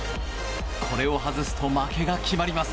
これを外すと負けが決まります。